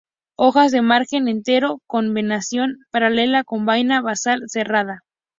Hojas de margen entero, con venación paralela, con vaina basal cerrada.